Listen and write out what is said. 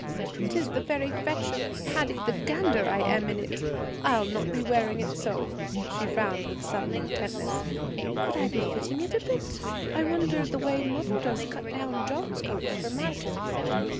''Tis the very fetch of Paddy the gander I am in it. I'll not be wearing it so.' She frowned with sudden intentness. 'Could I be fitting it a bit, I wonder, the way mother does cut down John's coats for Martin?'